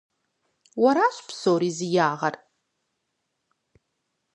Уэращ псори зи ягъэр!